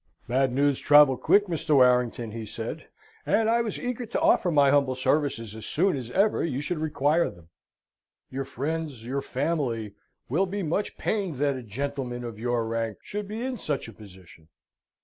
"Bad news travel quick, Mr. Warrington," he said; "and I was eager to offer my humble services as soon as ever you should require them. Your friends, your family, will be much pained that a gentleman of your rank should be in such a position."